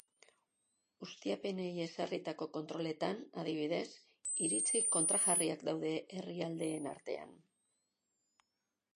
Ustiapenei ezarritako kontroletan, adibidez, iritzi kontrajarriak daude herrialdeen artean.